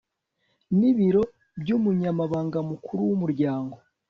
n ibiro by umunyamabanga mukuru w umuryango